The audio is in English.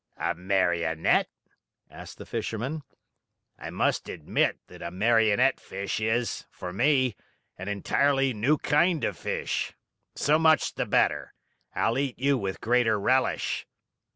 "A Marionette?" asked the Fisherman. "I must admit that a Marionette fish is, for me, an entirely new kind of fish. So much the better. I'll eat you with greater relish."